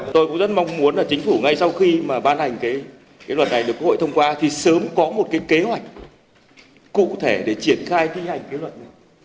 tôi cũng rất mong muốn là chính phủ ngay sau khi mà ban hành cái luật này được quốc hội thông qua thì sớm có một cái kế hoạch cụ thể để triển khai thi hành cái luật này